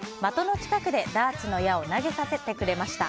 近くでダーツの矢を投げさせてくださりました。